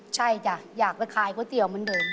ใช่จ้ะอยากไปขายก๋วยเตี๋ยวเหมือนเดิม